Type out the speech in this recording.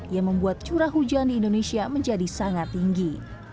yang membuat curah hujan di indonesia menjadi sangat tinggi